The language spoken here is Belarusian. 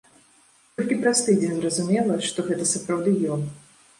Толькі праз тыдзень зразумела, што гэта сапраўды ён.